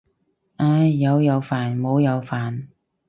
唉，有又煩冇又煩。